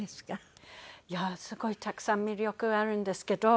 いやすごいたくさん魅力あるんですけど。